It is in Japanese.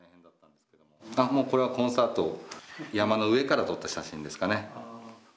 これはコンサートを山の上から撮った写真ですかね。